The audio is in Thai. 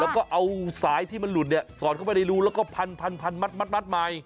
แล้วก็เอาสายที่มันหลุดเนี่ยสอดเข้าไปในรูแล้วก็พันมัดใหม่